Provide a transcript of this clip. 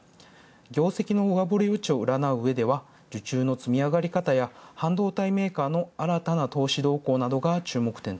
業績を占ううえでは受注のつみあがり方や半導体メーカーの新たな投資動向などが注目と。